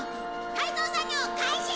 改造作業開始！